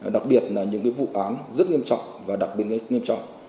đặc biệt là những vụ án rất nghiêm trọng và đặc biệt gây nghiêm trọng